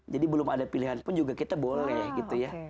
jadi belum ada pilihan pun juga kita boleh gitu ya